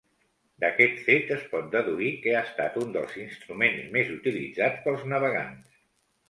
D'aquest fet es pot deduir que ha estat un dels instruments més utilitzats pels navegants.